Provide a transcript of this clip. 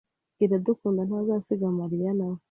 Iradukunda ntazasiga Mariya nawe.